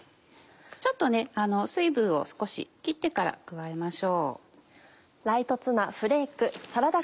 ちょっと水分を少し切ってから加えましょう。